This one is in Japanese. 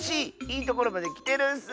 いいところまできてるッス！